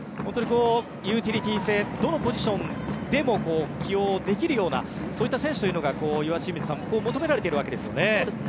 ユーティリティー性どのポジションでも起用できるようなそういった選手が求められているわけですよね。